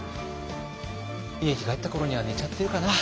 家に帰った頃には寝ちゃってるかな。